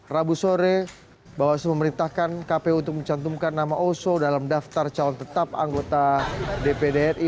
rabu sore bawaslu memerintahkan kpu untuk mencantumkan nama oso dalam daftar calon tetap anggota dpd ri